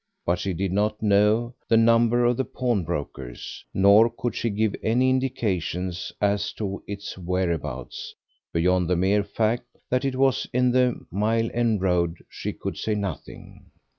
But she did not know the number of the pawnbroker's, nor could she give any indications as to its whereabouts beyond the mere fact that it was in the Mile End Road she could say nothing.